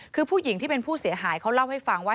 คือผู้หญิงที่เป็นผู้เสียหายเขาเล่าให้ฟังว่า